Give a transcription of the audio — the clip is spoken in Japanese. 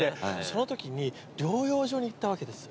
そのときに療養所に行ったわけです。